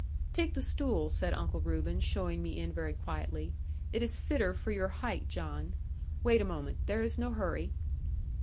'Take the stool,' said Uncle Reuben, showing me in very quietly, 'it is fitter for your height, John. Wait a moment; there is no hurry.'